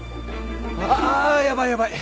あヤバいヤバい！